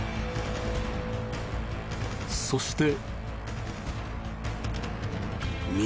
そして。